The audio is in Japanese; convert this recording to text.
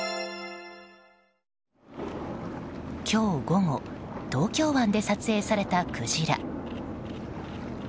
今日午後、東京湾で撮影されたクジラ。